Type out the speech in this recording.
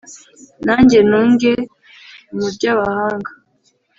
nange nunge mu ry’abahanga